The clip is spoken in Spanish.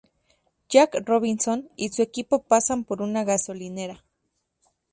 Jackie Robinson y su equipo pasan por una gasolinera.